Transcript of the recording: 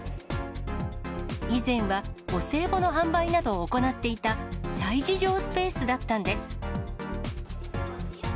以前はお歳暮の販売などを行っていた催事場スペースだったんです。